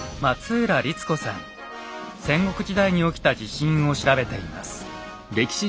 戦国時代に起きた地震を調べています。